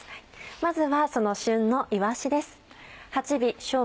まずはその旬のいわしです。